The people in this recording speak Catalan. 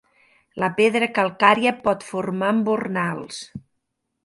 La pedra calcària pot formar embornals.